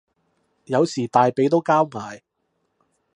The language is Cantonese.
有時大髀都交埋